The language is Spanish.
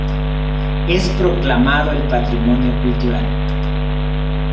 Es proclamado el patrimonio cultural.